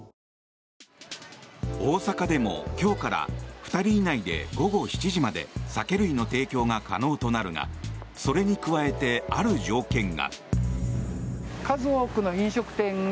大阪でも今日から２人以内で午後７時まで酒類の提供が可能となるがそれに加えて、ある条件が。